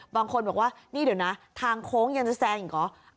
บางคนบอกว่าทางโค้งยังจะแซงอีกหรอ